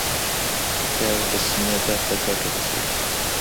پیاز د سینې درد ته ګټه رسوي